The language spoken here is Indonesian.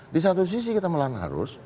di satu sisi kita melawan arus